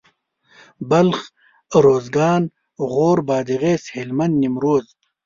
بلخ اروزګان غور بادغيس هلمند نيمروز